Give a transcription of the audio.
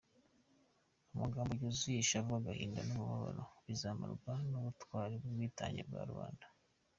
Amagambo yuzuye ishavu, agahinda n’umubabaro bizamarwa n’ubtwari n’ubwitange bwa rubanda.